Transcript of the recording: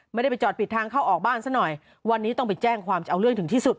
ไม่ได้ไปจอดปิดทางเข้าออกบ้านซะหน่อยวันนี้ต้องไปแจ้งความจะเอาเรื่องถึงที่สุด